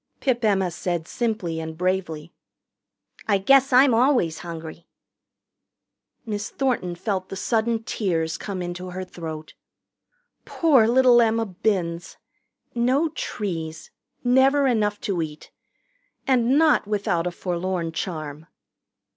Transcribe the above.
Pip Emma said simply and bravely, "I guess I'm always hungry." Miss Thornton felt the sudden tears come into her throat. Poor little Emma Binns! No trees. Never enough to eat. And not without a forlorn charm.